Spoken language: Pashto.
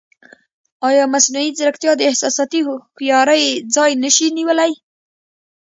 ایا مصنوعي ځیرکتیا د احساساتي هوښیارۍ ځای نه شي نیولی؟